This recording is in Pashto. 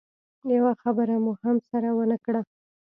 يوه خبره مو هم سره ونه کړه.